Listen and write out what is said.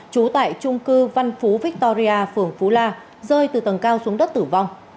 trú tại trung cư văn phú victoria phường phú la rơi từ tầng cao xuống đất tử vong